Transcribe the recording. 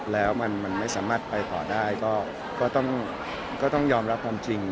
แล้วมันไม่สามารถไปต่อได้ก็ต้องยอมรับความจริง